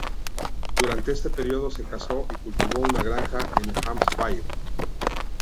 Durante este período, se casó y cultivó una granja en Hampshire.